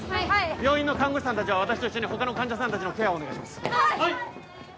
病院の看護師さん達は私と一緒に他の患者さん達のケアをお願いしますはい！